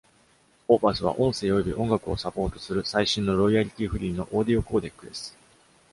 Opus は、音声および音楽をサポートする最新のロイヤリティフリーのオーディオコーデックです。